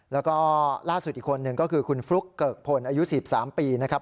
แล้วก็ล่าสุดอีกคนหนึ่งก็คือคุณฟลุ๊กเกิกพลอายุ๑๓ปีนะครับ